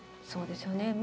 そうですよね。